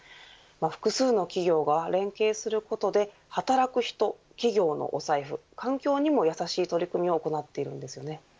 複数の企業が連携することで働く人、企業のお財布環境にもやさしい取り組みを行っているんですよね。